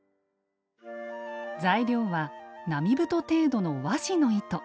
材料は並太程度の和紙の糸。